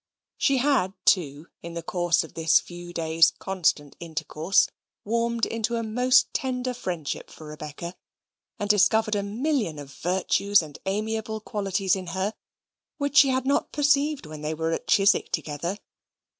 She had, too, in the course of this few days' constant intercourse, warmed into a most tender friendship for Rebecca, and discovered a million of virtues and amiable qualities in her which she had not perceived when they were at Chiswick together.